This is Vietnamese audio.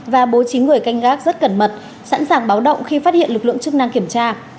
và bố trí người canh gác rất cẩn mật sẵn sàng báo động khi phát hiện lực lượng chức năng kiểm tra